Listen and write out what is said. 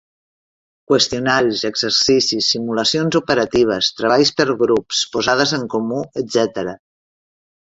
Qüestionaris, exercicis, simulacions operatives, treballs per grups, posades en comú, etcètera.